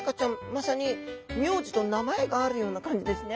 まさに名字と名前があるような感じですね。